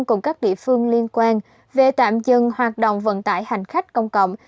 cùng các địa phương liên quan về tạm dừng hoạt động vận tải hành khách công cộng